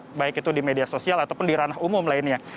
sipil dalam melakukan ekspresi atau perusahaan yang lainnya